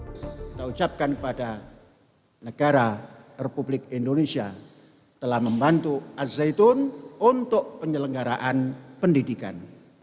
kita ucapkan kepada negara republik indonesia telah membantu al zaitun untuk penyelenggaraan pendidikan